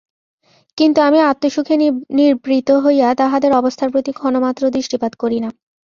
কিন্তু আমি আত্মসুখে নির্বৃত হইয়া তাহাদের অবস্থার প্রতি ক্ষণমাত্রও দৃষ্টিপাত করি না।